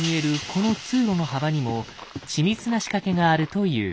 この通路の幅にも緻密な仕掛けがあるという。